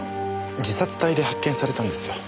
自殺体で発見されたんですよ。